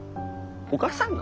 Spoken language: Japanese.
お母さんの？